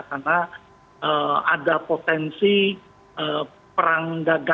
karena ada potensi perang dagang lanjutnya